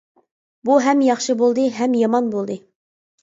بۇ ھەم ياخشى بولدى ھەم يامان بولدى.